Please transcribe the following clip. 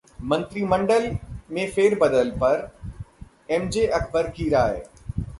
मंत्रिमंडल में फेरबदल पर एम जे अकबर की राय